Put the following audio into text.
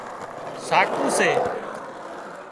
ساڪُو سي